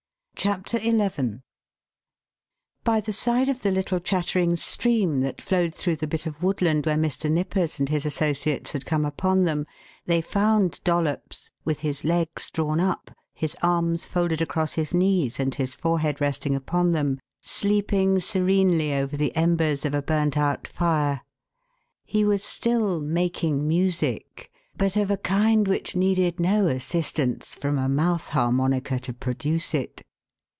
CHAPTER XI By the side of the little chattering stream that flowed through the bit of woodland where Mr. Nippers and his associates had come upon them, they found Dollops, with his legs drawn up, his arms folded across his knees and his forehead resting upon them, sleeping serenely over the embers of a burnt out fire. He was still "making music," but of a kind which needed no assistance from a mouth harmonica to produce it.